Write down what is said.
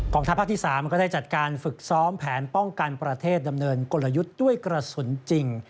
ทัพภาคที่๓ก็ได้จัดการฝึกซ้อมแผนป้องกันประเทศดำเนินกลยุทธ์ด้วยกระสุนจริง